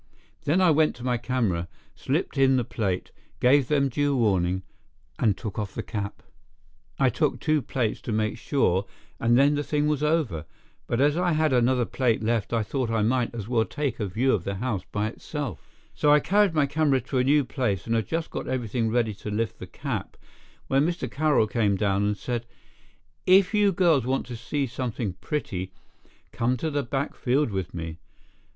Then I went to my camera, slipped in the plate, gave them due warning and took off the cap. I took two plates to make sure and then the thing was over, but as I had another plate left I thought I might as well take a view of the house by itself, so I carried my camera to a new place and had just got everything ready to lift the cap when Mr. Carroll came down and said: "If you girls want to see something pretty, come to the back field with me.